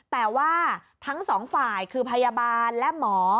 แต่ว่าทั้งสองฝ่ายคือพยาบาลและหมอ